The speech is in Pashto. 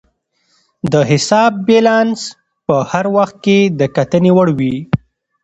د حساب بیلانس په هر وخت کې د کتنې وړ وي.